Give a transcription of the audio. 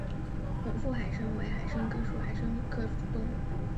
红腹海参为海参科海参属的动物。